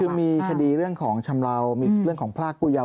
คือมีคดีเรื่องของชำเลามีเรื่องของพรากผู้ยาว